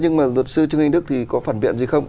nhưng mà luật sư trương hình đức thì có phản biện gì không